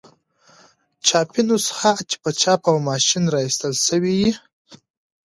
چاپي نسخه چي په چاپ او ما شين را ایستله سوې يي.